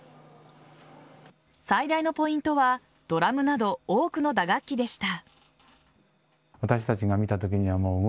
最大のポイントはドラムなど多くの打楽器でした。